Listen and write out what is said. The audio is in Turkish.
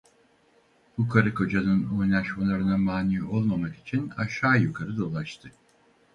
Bu karı kocanın oynaşmalarına mani olmamak için aşağı yukarı dolaştı.